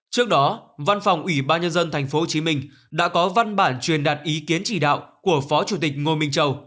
trước đó văn phòng ủy ban nhân dân tp hcm đã có văn bản truyền đạt ý kiến chỉ đạo của phó chủ tịch ngô minh châu